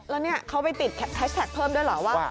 แล้วเนี่ยเขาไปติดแฮชแท็กเพิ่มด้วยเหรอว่า